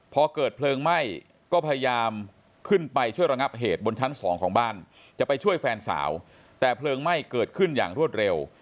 พอเกิดเพลิงไหม้ก็พยายามขึ้นไปช่วยระงับเหตุบนชั้นสองของบ้านจะไปช่วยแฟนสาวแต่เพลิงไหม้เกิดขึ้นอย่างรวดเร็ว